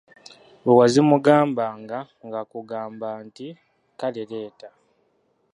Bwe wazimugambanga ng'akugamba nti: "Kale leeta.